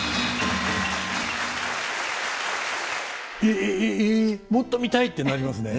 「えもっと見たい」ってなりますね。